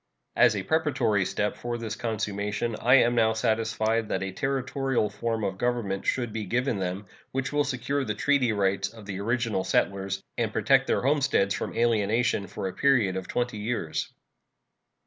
As a preparatory step for this consummation, I am now satisfied that a Territorial form of government should be given them, which will secure the treaty rights of the original settlers and protect their homesteads from alienation for a period of twenty years.